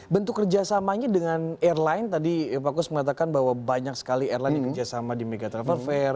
bentuk kerjasamanya dengan airline tadi pak kus mengatakan bahwa banyak sekali airline yang kerjasama di mega travel fair